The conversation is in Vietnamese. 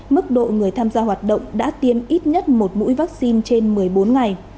mức độ người tham gia hoạt động đã tiêm ít nhất một mũi vaccine trên một mươi bốn ngày